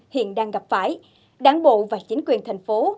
hiện đang gặp phải đảng bộ và chính quyền thành phố